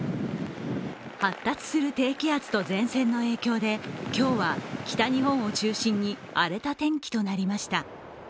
発達する低気圧と前線の影響で今日は北日本を中心に荒れた天気となりました。